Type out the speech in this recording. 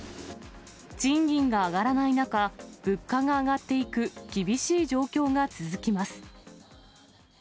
賃金が上がらない中、物価が上がっていく厳しい状況が続きます。